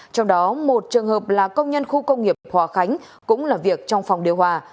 trong đó một trường hợp là công nhân khu công nghiệp hòa khánh cũng làm việc trong phòng điều hòa